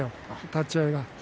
立ち合いが。